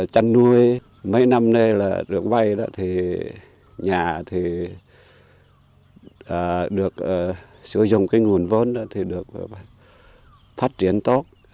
chăn nuôi mấy năm nay là được vay đó thì nhà thì được sử dụng cái nguồn vốn đó thì được phát triển tốt